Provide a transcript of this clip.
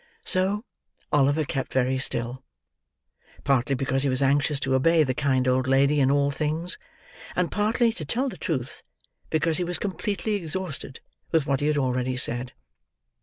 So, Oliver kept very still; partly because he was anxious to obey the kind old lady in all things; and partly, to tell the truth, because he was completely exhausted with what he had already said.